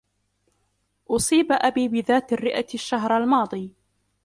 أصيب أبي بذات الرئة الشهر الماضي.